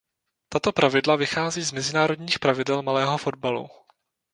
Tato pravidla vychází z Mezinárodních pravidel malého fotbalu.